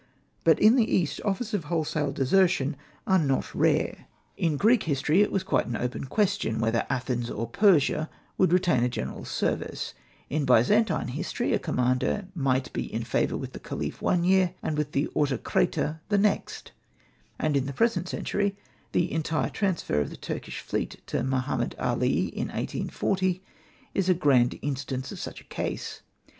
But in the East offers of wholesale desertion are not rare. In Greek history it was quite an open question whether Athens or Persia would retain a general's service ; in Byzantine history a commander might be in favour with the Khalif one year and with the Autokrator the next ; and in the present century the entire transfer of the Turkish fleet to Mo hammed All in 1840 is a grand instance of such a case.